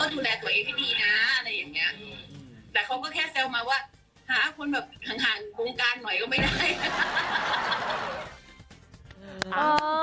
แต่เขาก็แค่แซวมาว่า